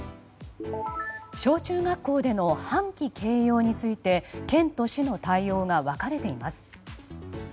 小中学校での半旗掲揚について県と市の対応が分かれています。